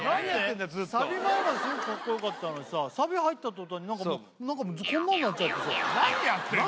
サビ前まですごくかっこよかったのにさサビ入ったとたんに何かもうこんなんなっちゃって何やってんの？